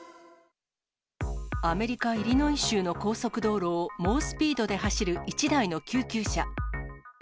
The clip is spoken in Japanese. アメリカ・イリノイ州の高速道路を猛スピードで走る１台の救急車。